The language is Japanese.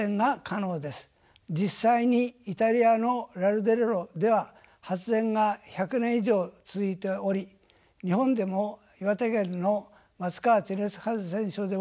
実際にイタリアのラルデレロでは発電が１００年以上続いており日本でも岩手県の松川地熱発電所では５０年以上続いています。